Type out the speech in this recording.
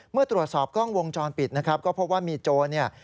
เมื่อตรวจสอบกล้องวงจรปิดนะครับก็พบว่ามีโจรเนี่ย